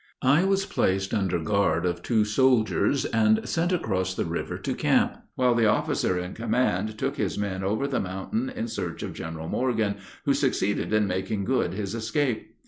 ] I was placed under guard of two soldiers and sent across the river to camp, while the officer in command took his men over the mountain in search of General Morgan, who succeeded in making good his escape.